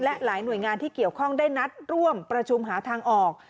และหลายหน่วยงานที่เกี่ยวข้องได้นัดร่วมประชุมหาทางออก